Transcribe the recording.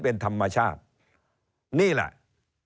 เริ่มตั้งแต่หาเสียงสมัครลง